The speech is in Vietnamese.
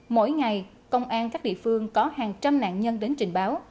mỗi ngày công an các địa phương có hàng trăm nạn nhân đến trình báo